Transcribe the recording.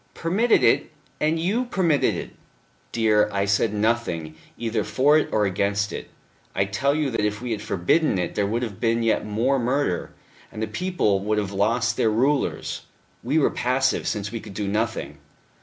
"Permitted it! And you permitted it." "Dear; I said nothing, either for it or against. I tell you that if we had forbidden it there would have been yet more murder, and the people would have lost their rulers. We were passive, since we could do nothing."